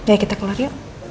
ya kita keluar yuk